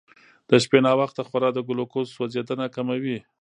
د شپې ناوخته خورا د ګلوکوز سوځېدنه کموي.